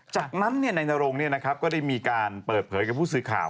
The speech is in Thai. จากนั้นนายนรงก็ได้มีการเปิดเผยกับผู้สื่อข่าว